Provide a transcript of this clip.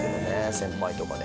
先輩とかで。